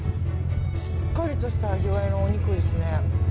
しっかりとした味わいのお肉ですね。